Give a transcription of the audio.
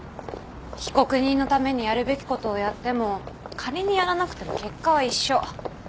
被告人のためにやるべきことをやっても仮にやらなくても結果は一緒。